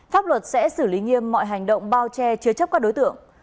pháp luật sẽ xử lý nghiêm mọi hành động bao che chứa chấp các đối tượng